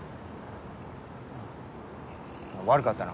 悪かったな。